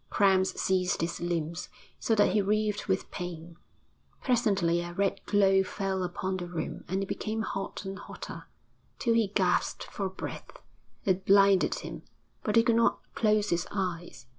Cramps seized his limbs, so that he writhed with pain. Presently a red glow fell upon the room and it became hot and hotter, till he gasped for breath; it blinded him, but he could not close his eyes.